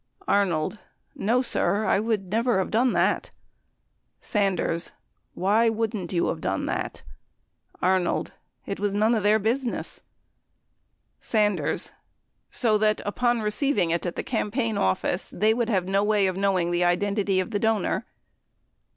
Arnold. No, sir, I would never have done that. Sanders. Why wouldn't you have done that? Arnold. It was none of their business. Sanders. So that upon receiving it at the campaign office they would have no way of knowing the identity of the donor